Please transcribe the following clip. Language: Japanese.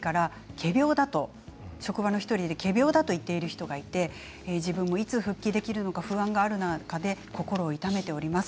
職場の１人に仮病だと言っている人がいて自分もいつ復帰できるか不安感のある中で心を痛めております。